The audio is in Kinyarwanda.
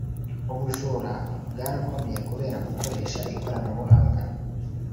Ubujura bwarakomeye kubera gukoresha ikoranabuhanga